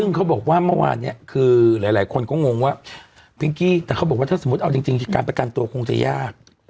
ซึ่งเขาบอกว่าเมื่อวานนี้คือหลายคนก็งงว่าพิงกี้แต่เขาบอกว่าถ้าสมมุติเอาจริงการประกันตัวคงจะยาก